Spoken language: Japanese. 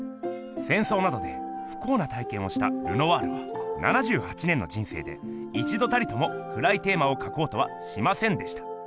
せんそうなどでふこうな体けんをしたルノワールは７８年の人生で一度たりともくらいテーマをかこうとはしませんでした。